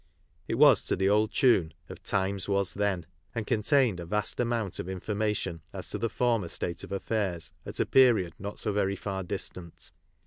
It was to the old tune of " times was times then," and contained a vast amount of information as to the former state of affairs at a period not so very far distant.